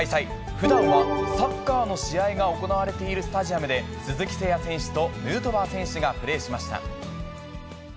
ふだんはサッカーの試合が行われているスタジアムで、鈴木誠也選手とヌートバー選手がプレーしました。